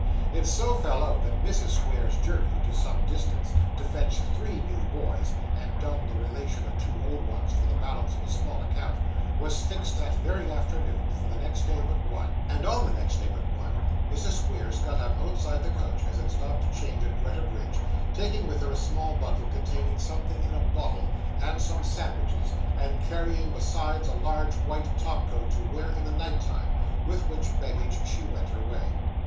This was a charming idea, and having fully discussed it, the friends parted. It so fell out, that Mrs. Squeers's journey, to some distance, to fetch three new boys, and dun the relations of two old ones for the balance of a small account, was fixed that very afternoon, for the next day but one; and on the next day but one, Mrs. Squeers got up outside the coach, as it stopped to change at Greta Bridge, taking with her a small bundle containing something in a bottle, and some sandwiches, and carrying besides a large white top coat to wear in the night time; with which baggage she went her way.